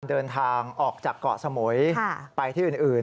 เดินทางออกจากเกาะสมุยไปที่อื่น